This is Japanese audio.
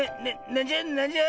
なんじゃなんじゃ？